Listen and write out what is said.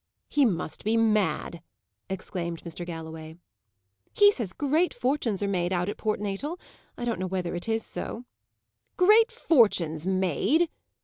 "He must be mad!" exclaimed Mr. Galloway. "He says great fortunes are made, out at Port Natal. I don't know whether it is so." "Great fortunes made!"